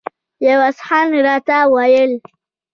عوض خان راته ویل.